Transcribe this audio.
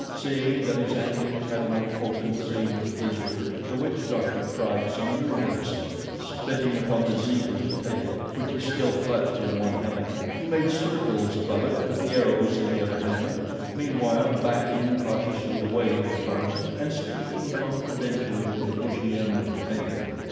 Seeing that his antics had no potency with the visitor, the witch doctor tried some new medicine. Spitting upon the zebra's tail, which he still clutched in one hand, he made circles above it with the arrows in the other hand, meanwhile backing cautiously away from Tarzan and speaking confidentially to the bushy end of the tail.